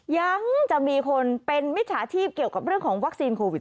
ยังจะมีคนเป็นมิจฉาชีพเกี่ยวกับเรื่องของวัคซีนโควิด๑